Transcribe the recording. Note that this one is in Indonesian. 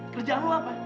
kerjaan lu apa